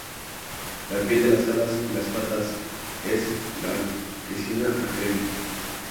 La piel de las alas y las patas es blanquecina a crema.